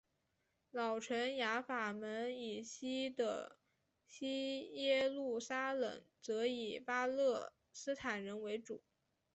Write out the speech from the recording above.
老城雅法门以西的西耶路撒冷则以巴勒斯坦人为主。